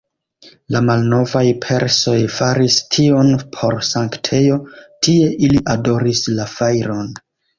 La malnovaj persoj faris tion por sanktejo, tie ili adoris la fajron.